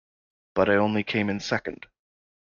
But I only came in second.